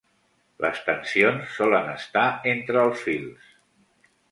Les tensions solen estar entre els fils.